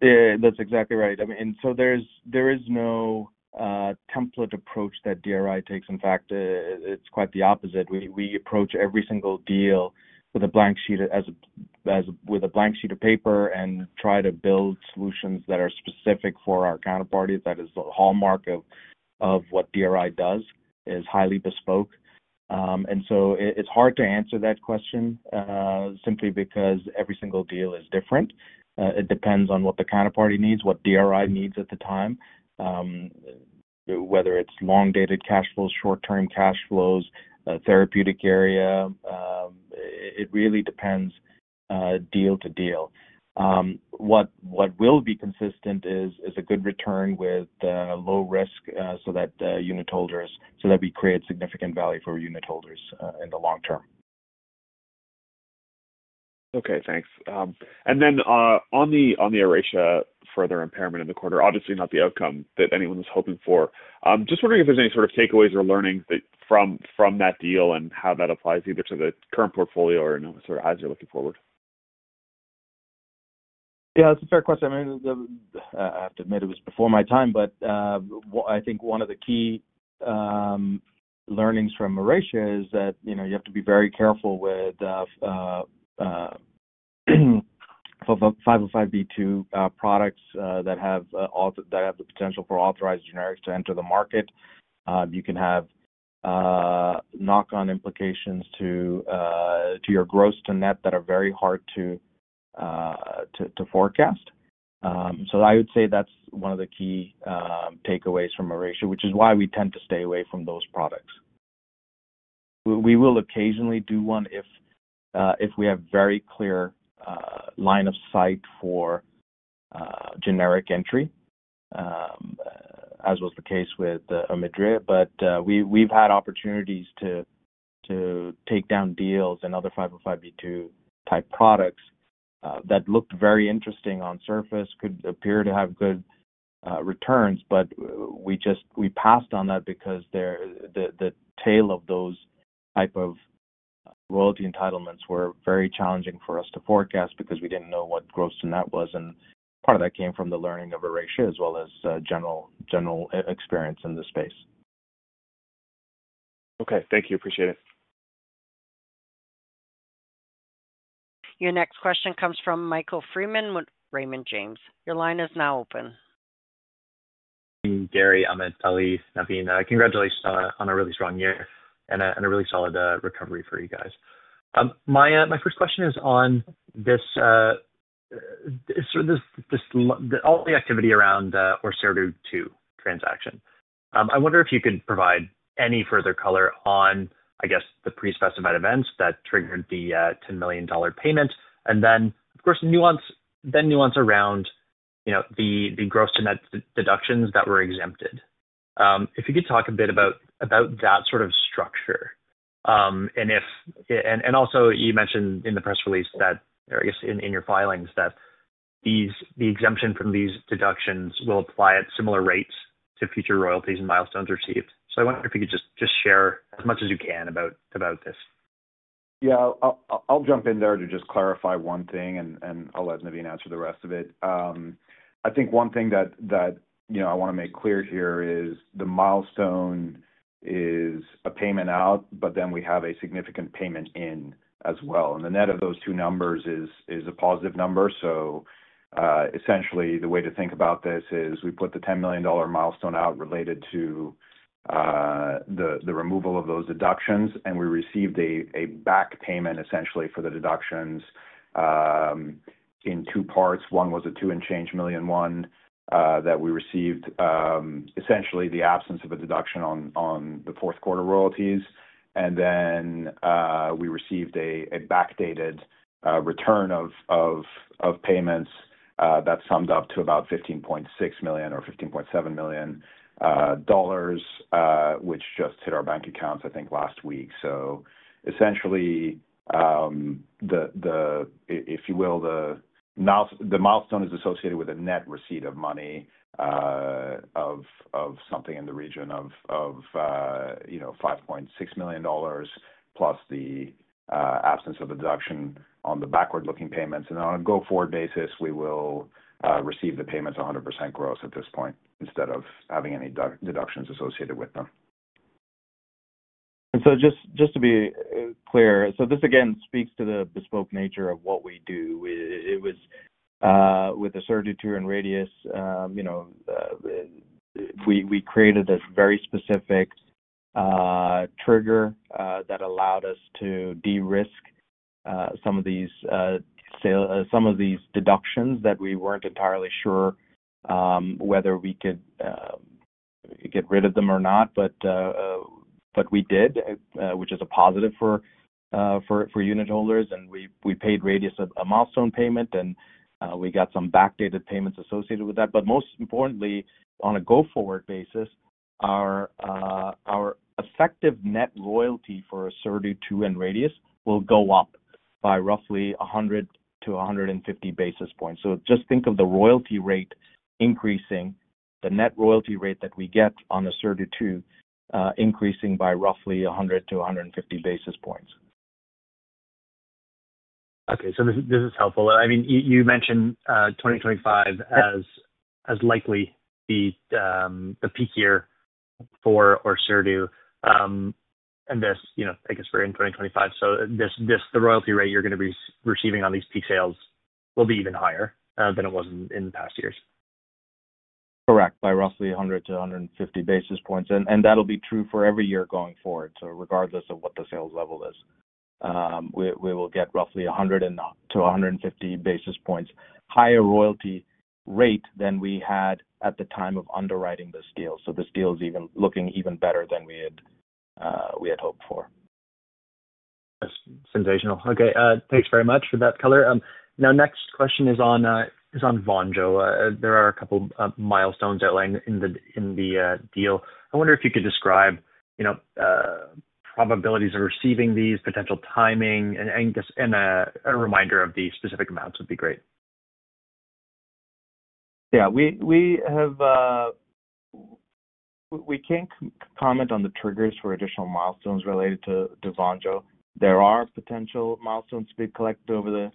That's exactly right. I mean, there is no template approach that DRI takes. In fact, it's quite the opposite. We approach every single deal with a blank sheet of paper and try to build solutions that are specific for our counterparty. That is the hallmark of what DRI does, is highly bespoke. It is hard to answer that question simply because every single deal is different. It depends on what the counterparty needs, what DRI needs at the time, whether it is long-dated cash flows, short-term cash flows, therapeutic area. It really depends deal to deal. What will be consistent is a good return with low risk so that we create significant value for unit holders in the long term. Okay. Thanks. And then on the Oracea further impairment in the quarter, obviously not the outcome that anyone was hoping for. Just wondering if there is any sort of takeaways or learnings from that deal and how that applies either to the current portfolio or sort of as you are looking forward. Yeah, that is a fair question. I mean, I have to admit it was before my time, but I think one of the key learnings from Oracea is that you have to be very careful with 505(b)(2) products that have the potential for authorized generics to enter the market. You can have knock-on implications to your gross to net that are very hard to forecast. I would say that's one of the key takeaways from Oracea, which is why we tend to stay away from those products. We will occasionally do one if we have very clear line of sight for generic entry, as was the case with Omidria. We've had opportunities to take down deals and other 505(b)(2) type products that looked very interesting on surface, could appear to have good returns, but we passed on that because the tail of those type of royalty entitlements were very challenging for us to forecast because we didn't know what gross to net was. Part of that came from the learning of Oracea as well as general experience in the space. Okay. Thank you. Appreciate it. Your next question comes from Michael Freeman, Raymond James. Your line is now open. Gary, Amit, Ali, Navin, congratulations on a really strong year and a really solid recovery for you guys. My first question is on all the activity around our Orserdu II transaction. I wonder if you could provide any further color on, I guess, the pre-specified events that triggered the $10 million payment and then, of course, nuance around the gross to net deductions that were exempted. If you could talk a bit about that sort of structure. You mentioned in the press release that, or I guess in your filings, that the exemption from these deductions will apply at similar rates to future royalties and milestones received. I wonder if you could just share as much as you can about this. Yeah. I'll jump in there to just clarify one thing, and I'll let Navin answer the rest of it. I think one thing that I want to make clear here is the milestone is a payment out, but then we have a significant payment in as well. The net of those two numbers is a positive number. Essentially, the way to think about this is we put the $10 million milestone out related to the removal of those deductions, and we received a back payment essentially for the deductions in two parts. One was a two-and-change million one that we received, essentially the absence of a deduction on the fourth quarter royalties. We received a backdated return of payments that summed up to about $15.6 million or $15.7 million, which just hit our bank accounts, I think, last week. Essentially, if you will, the milestone is associated with a net receipt of money of something in the region of $5.6 million plus the absence of the deduction on the backward-looking payments. On a go-forward basis, we will receive the payments 100% gross at this point instead of having any deductions associated with them. Just to be clear, this again speaks to the bespoke nature of what we do. It was with the Orserdu II and Radius. We created a very specific trigger that allowed us to de-risk some of these deductions that we were not entirely sure whether we could get rid of them or not, but we did, which is a positive for unit holders. We paid Radius a milestone payment, and we got some backdated payments associated with that. Most importantly, on a go-forward basis, our effective net royalty for Orserdu II and Radius will go up by roughly 100-150 basis points. Just think of the royalty rate increasing, the net royalty rate that we get on the Orserdu II increasing by roughly 100 to 150 basis points. Okay. This is helpful. I mean, you mentioned 2025 as likely the peak year for our Orserdu. This, I guess, we're in 2025. The royalty rate you're going to be receiving on these peak sales will be even higher than it was in the past years. Correct. By roughly 100 to 150 basis points. That'll be true for every year going forward. Regardless of what the sales level is, we will get roughly 100 to 150 basis points higher royalty rate than we had at the time of underwriting this deal. This deal is looking even better than we had hoped for. That's sensational. Okay. Thanks very much for that color. Next question is on Vonjo. There are a couple of milestones outlined in the deal. I wonder if you could describe probabilities of receiving these, potential timing, and a reminder of the specific amounts would be great. Yeah. We can't comment on the triggers for additional milestones related to Vonjo. There are potential milestones to be collected over the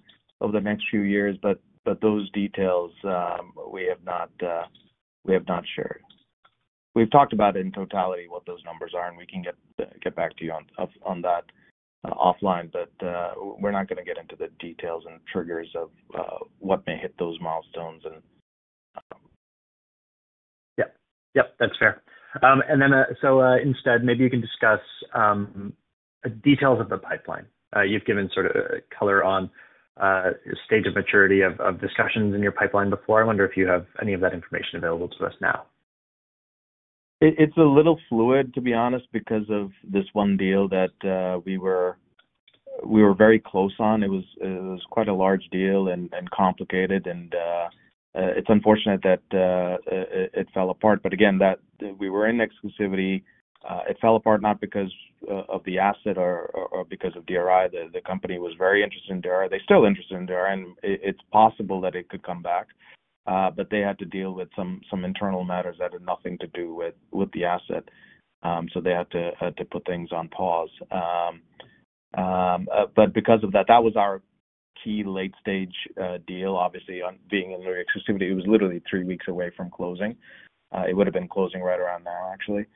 next few years, but those details we have not shared. We've talked about in totality what those numbers are, and we can get back to you on that offline, but we're not going to get into the details and triggers of what may hit those milestones. Yeah. Yep. That's fair. Instead, maybe you can discuss details of the pipeline. You've given sort of color on the stage of maturity of discussions in your pipeline before. I wonder if you have any of that information available to us now. It's a little fluid, to be honest, because of this one deal that we were very close on. It was quite a large deal and complicated, and it's unfortunate that it fell apart. Again, we were in exclusivity. It fell apart not because of the asset or because of DRI. The company was very interested in DRI. They're still interested in DRI, and it's possible that it could come back, but they had to deal with some internal matters that had nothing to do with the asset. They had to put things on pause. Because of that, that was our key late-stage deal, obviously, being in exclusivity. It was literally three weeks away from closing. It would have been closing right around now, actually.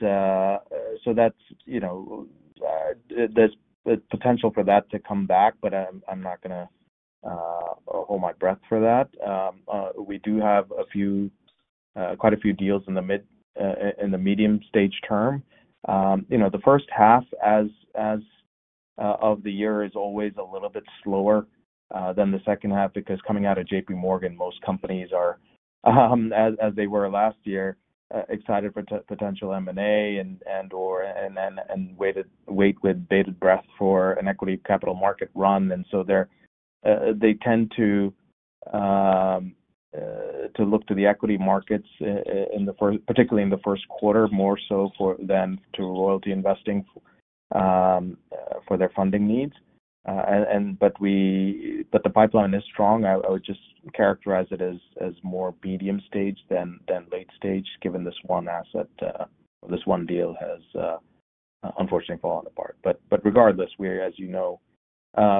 There's potential for that to come back, but I'm not going to hold my breath for that. We do have quite a few deals in the medium-stage term. The first half of the year is always a little bit slower than the second half because coming out of JP Morgan, most companies are, as they were last year, excited for potential M&A and wait with bated breath for an equity capital market run. They tend to look to the equity markets, particularly in the first quarter, more so than to royalty investing for their funding needs. The pipeline is strong. I would just characterize it as more medium-stage than late-stage given this one asset, this one deal has unfortunately fallen apart. Regardless, as you know,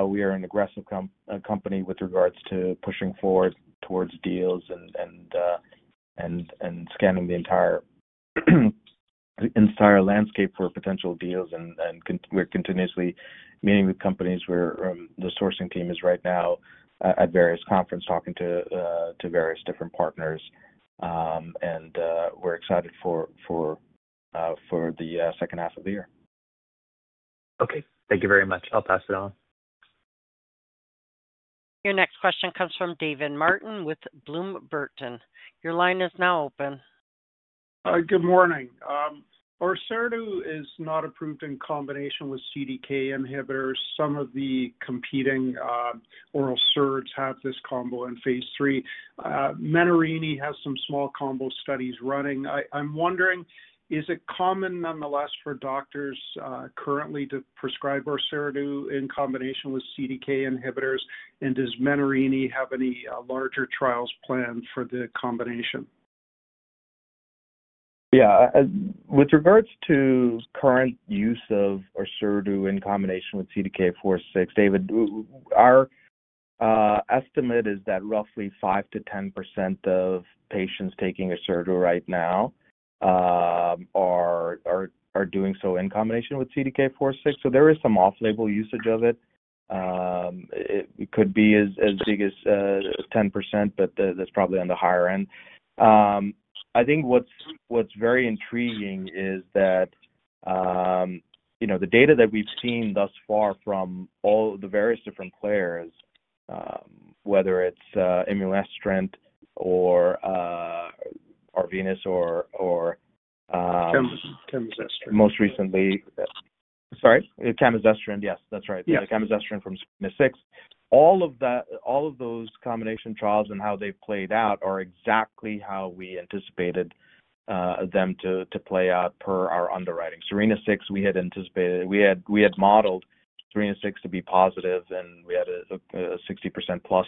we are an aggressive company with regards to pushing forward towards deals and scanning the entire landscape for potential deals. We're continuously meeting with companies. The sourcing team is right now at various conferences talking to various different partners, and we're excited for the second half of the year. Okay. Thank you very much. I'll pass it on. Your next question comes from David Martin with Bloom Burton. Your line is now open. Hi. Good morning. Orserdu is not approved in combination with CDK inhibitors. Some of the competing oral SERDS have this combo in phase III. Menarini has some small combo studies running. I'm wondering, is it common nonetheless for doctors currently to prescribe our Orserdu in combination with CDK inhibitors? Does Menarini have any larger trials planned for the combination? Yeah. With regards to current use of our Orserdu in combination with CDK4/6, David, our estimate is that roughly 5-10% of patients taking our Orserdu right now are doing so in combination with CDK4/6. There is some off-label usage of it. It could be as big as 10%, but that's probably on the higher end. I think what's very intriguing is that the data that we've seen thus far from all the various different players, whether it's Imlunestrant or Arvinas or Camizestrant. Most recently. Sorry. Camizestrant, yes. That's right. The Camizestrant from SERENA-6. All of those combination trials and how they played out are exactly how we anticipated them to play out per our underwriting. SERENA-6, we had modeled SERENA-6 to be positive, and we had a 60% plus,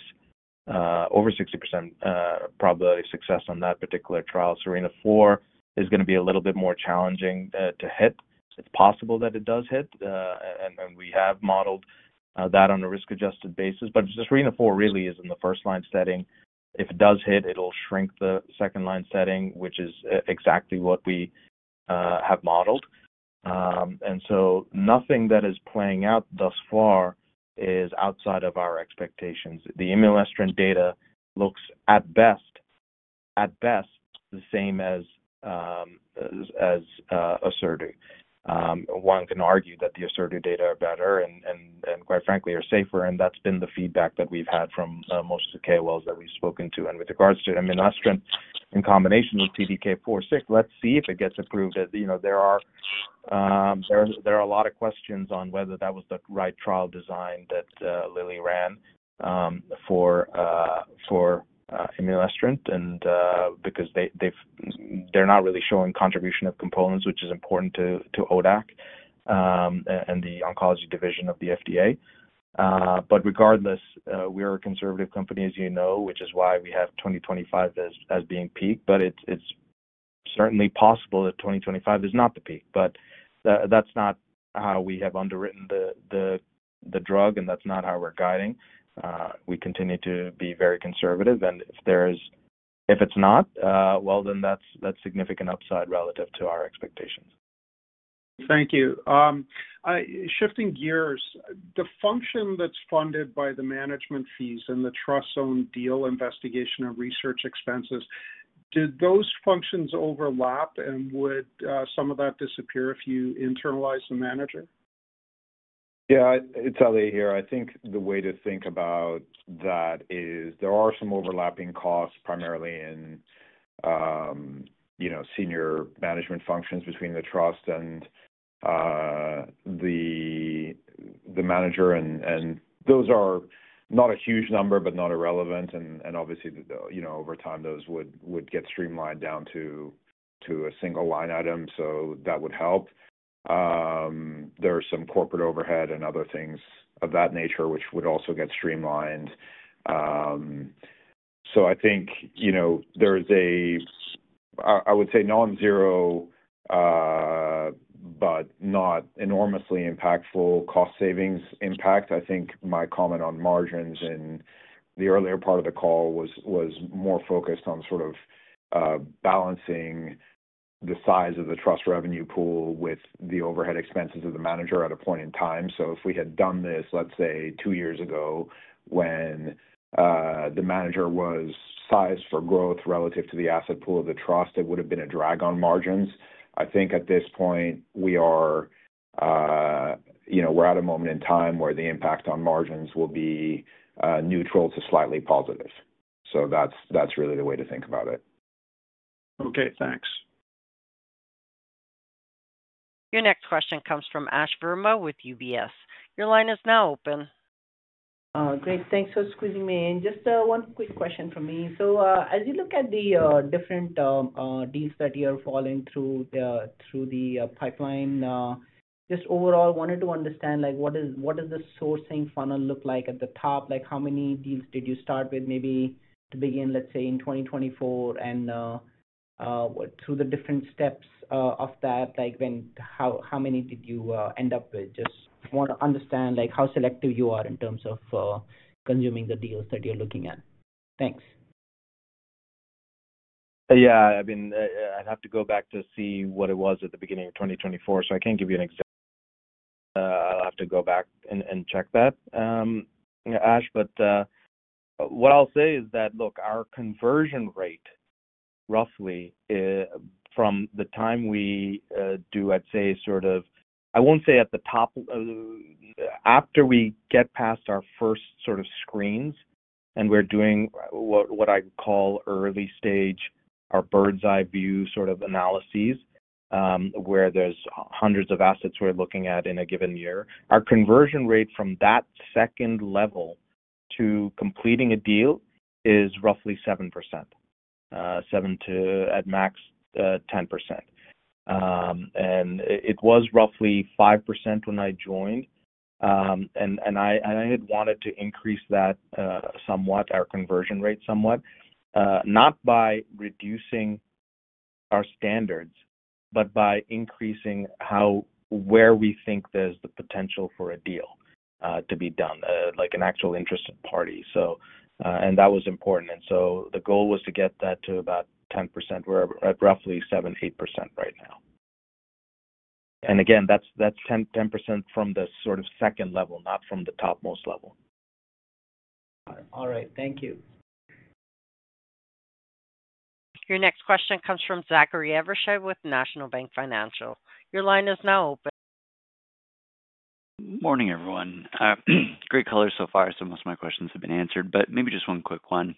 over 60% probability of success on that particular trial. SERENA-4 is going to be a little bit more challenging to hit. It's possible that it does hit, and we have modeled that on a risk-adjusted basis. SERENA-4 really is in the first-line setting. If it does hit, it'll shrink the second-line setting, which is exactly what we have modeled. Nothing that is playing out thus far is outside of our expectations. The Imlunestrant data looks at best the same as our Orserdu. One can argue that our Orserdu data are better and quite frankly are safer, and that's been the feedback that we've had from most of the KOLs that we've spoken to. With regards to Imlunestrant in combination with CDK4/6, let's see if it gets approved. There are a lot of questions on whether that was the right trial design that Lilly ran for Imlunestrant because they're not really showing contribution of components, which is important to ODAC and the oncology division of the FDA. Regardless, we are a conservative company, as you know, which is why we have 2025 as being peak. It is certainly possible that 2025 is not the peak. That is not how we have underwritten the drug, and that is not how we are guiding. We continue to be very conservative. If it is not, that is significant upside relative to our expectations. Thank you. Shifting gears, the function that is funded by the management fees and the trust-owned deal investigation and research expenses, did those functions overlap? Would some of that disappear if you internalize the manager? Yeah. It is Ali here. I think the way to think about that is there are some overlapping costs primarily in senior management functions between the trust and the manager. Those are not a huge number, but not irrelevant. Obviously, over time, those would get streamlined down to a single line item, so that would help. There are some corporate overhead and other things of that nature, which would also get streamlined. I think there is a, I would say, non-zero, but not enormously impactful cost savings impact. I think my comment on margins in the earlier part of the call was more focused on sort of balancing the size of the trust revenue pool with the overhead expenses of the manager at a point in time. If we had done this, let's say, two years ago when the manager was sized for growth relative to the asset pool of the trust, it would have been a drag on margins. I think at this point, we are at a moment in time where the impact on margins will be neutral to slightly positive. That's really the way to think about it. Okay. Thanks. Your next question comes from Ash Verma with UBS. Your line is now open. Great. Thanks for squeezing me in. Just one quick question from me. As you look at the different deals that you're following through the pipeline, just overall, wanted to understand what does the sourcing funnel look like at the top? How many deals did you start with maybe to begin, let's say, in 2024? Through the different steps of that, how many did you end up with? Just want to understand how selective you are in terms of consuming the deals that you're looking at. Thanks. Yeah. I mean, I'd have to go back to see what it was at the beginning of 2024. I can't give you an exact number. I'll have to go back and check that, Ash. What I'll say is that, look, our conversion rate roughly from the time we do, I'd say, sort of I won't say at the top. After we get past our first sort of screens and we're doing what I call early-stage, our bird's-eye view sort of analyses where there's hundreds of assets we're looking at in a given year, our conversion rate from that second level to completing a deal is roughly 7%, at max 10%. It was roughly 5% when I joined. I had wanted to increase that somewhat, our conversion rate somewhat, not by reducing our standards, but by increasing where we think there's the potential for a deal to be done, like an actual interested party. That was important. The goal was to get that to about 10%. We're at roughly 7-8% right now. Again, that's 10% from the sort of second level, not from the topmost level. All right. Thank you. Your next question comes from Zachary Evershed with National Bank Financial. Your line is now open. Morning, everyone. Great color so far. Most of my questions have been answered. Maybe just one quick one.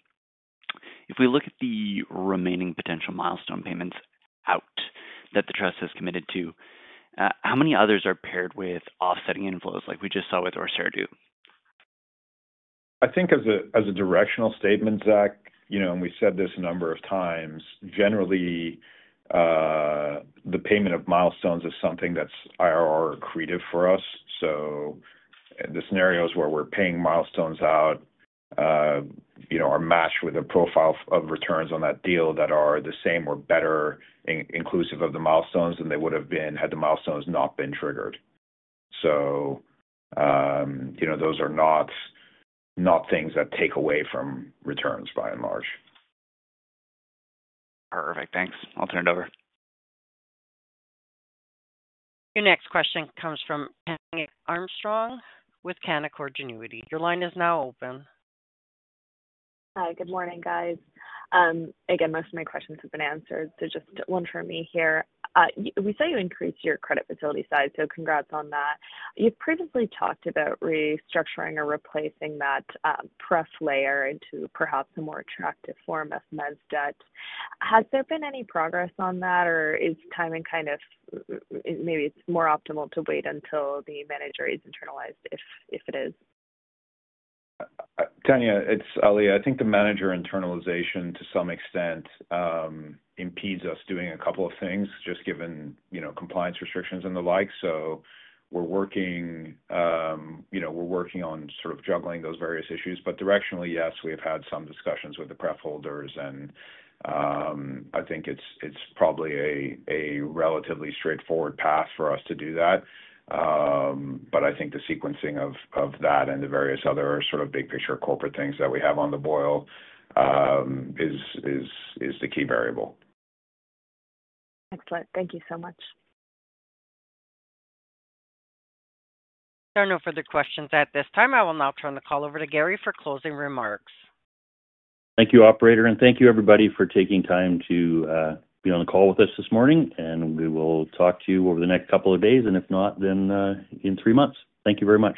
If we look at the remaining potential milestone payments out that the trust has committed to, how many others are paired with offsetting inflows like we just saw with our Orserdu? I think as a directional statement, Zach, and we said this a number of times, generally, the payment of milestones is something that's IRR accretive for us. The scenarios where we're paying milestones out are matched with a profile of returns on that deal that are the same or better inclusive of the milestones than they would have been had the milestones not been triggered. Those are not things that take away from returns by and large. Perfect. Thanks. I'll turn it over. Your next question comes from Tania Armstrong with Canaccord Genuity. Your line is now open. Hi. Good morning, guys. Again, most of my questions have been answered. Just one from me here. We saw you increase your credit facility size, so congrats on that. You've previously talked about restructuring or replacing that press layer into perhaps a more attractive form of meds debt. Has there been any progress on that, or is timing kind of maybe it's more optimal to wait until the manager is internalized if it is? Tania, it's Ali. I think the manager internalization to some extent impedes us doing a couple of things just given compliance restrictions and the like. We are working on sort of juggling those various issues. Directionally, yes, we have had some discussions with the pref holders. I think it's probably a relatively straightforward path for us to do that. I think the sequencing of that and the various other sort of big-picture corporate things that we have on the boil is the key variable. Excellent. Thank you so much. There are no further questions at this time. I will now turn the call over to Gary for closing remarks. Thank you, operator. Thank you, everybody, for taking time to be on the call with us this morning. We will talk to you over the next couple of days. If not, then in three months. Thank you very much.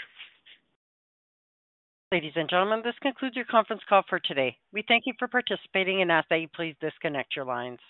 Ladies and gentlemen, this concludes your conference call for today. We thank you for participating and ask that you please disconnect your lines.